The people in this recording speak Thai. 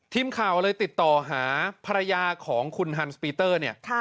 ทีมข่าวเลยติดต่อหาภรรยาของคุณฮันสปีเตอร์เนี่ย